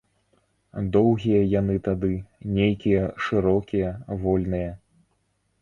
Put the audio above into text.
Доўгія яны тады, нейкія шырокія, вольныя.